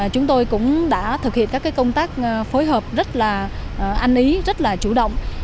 chúng tôi cũng đã thực hiện các công tác phối hợp rất là ăn ý rất là chủ động